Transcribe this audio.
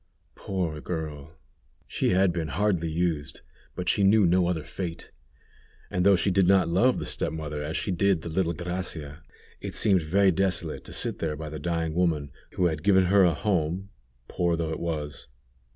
Poor girl! she had been hardly used, but she knew no other fate; and though she did not love the step mother as she did the little Gracia, it seemed very desolate to sit there by the dying woman who had given her a home, poor though it was.